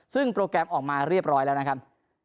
ซึ่งโปรแกรมออกมาเรียบร้อยแล้วนะครับ